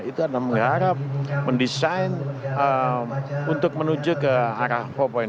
itu adalah mengharap mendesain untuk menuju ke arah empat